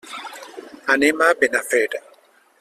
Anem a Benafer.